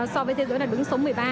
so với thế giới là đứng số một mươi ba